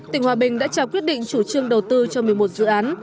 tỉnh hòa bình đã trao quyết định chủ trương đầu tư cho một mươi một dự án